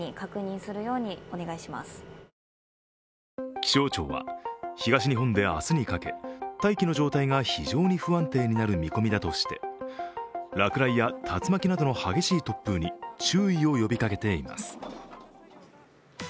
気象庁は東日本で明日にかけ大気の状態が非常に不安定になる見込みだとして落雷や竜巻などの激しい突風に注意を呼びかけています。